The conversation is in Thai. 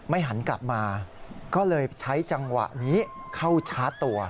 หันกลับมาก็เลยใช้จังหวะนี้เข้าชาร์จตัว